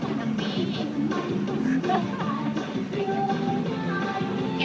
ตรงตรงตรงตรงตรง